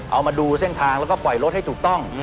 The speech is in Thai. เอามาดูเส้นทางแล้วก็ปล่อยรถให้ถูกต้อง